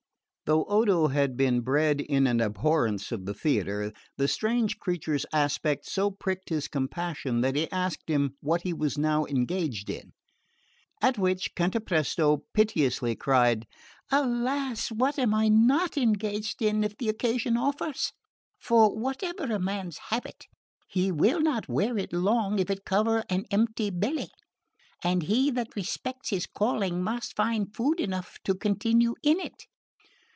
Though Odo had been bred in an abhorrence of the theatre, the strange creature's aspect so pricked his compassion that he asked him what he was now engaged in; at which Cantapresto piteously cried, "Alas, what am I not engaged in, if the occasion offers? For whatever a man's habit, he will not wear it long if it cover an empty belly; and he that respects his calling must find food enough to continue in it.